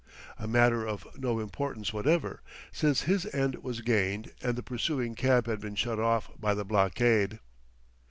A matter of no importance whatever, since his end was gained and the pursuing cab had been shut off by the blockade.